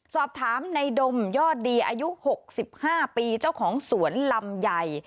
สอบถามในดมยอดดีอายุ๖๕ปีเจ้าของสวนลำไย